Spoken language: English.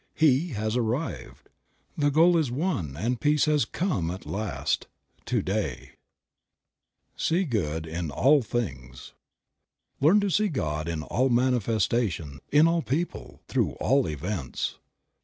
He has arrived. The goal is won and peace has come at last. To day. Creative Mind. 47 SEE THE GOOD IN ALL THINGS. T EARN to see God in all manifestation, in all people, through all events.